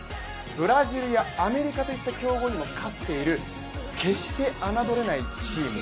ブラジルやアメリカといった強豪にも勝っている決して侮れないチーム。